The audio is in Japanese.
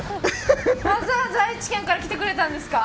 わざわざ愛知県から来てくれたんですか。